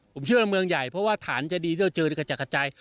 ผมเชื่อว่าเมืองใหญ่เพราะว่าฐานจะดีที่เราเจอกระจัดกระจาย